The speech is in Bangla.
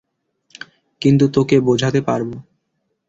কিন্তু তোকে বোঝাতে পারব।